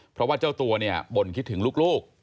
เพราะว่าเจ้าตัวเนี่ยบ่นคิดถึงลูก